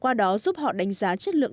qua đó giúp họ đánh giá chất lượng